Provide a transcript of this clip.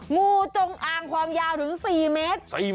งูจงอางความยาวถึง๔เมตร